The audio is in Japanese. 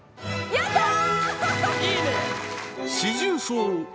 やったー！